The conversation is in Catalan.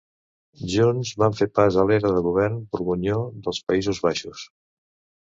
Junts van fer pas a l'era de govern borgonyó dels Països Baixos.